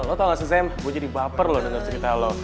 lo tau gak sih zem gue jadi baper lo denger cerita lo